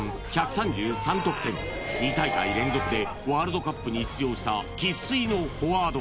２大会連続でワールドカップに出場した生粋のフォワード